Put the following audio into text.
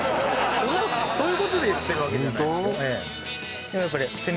そういうことでしてるわけじゃないホント？